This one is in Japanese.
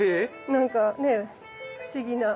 なんかね不思議な。